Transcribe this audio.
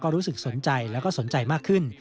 รู้สึกสนใจแล้วก็สนใจมากขึ้น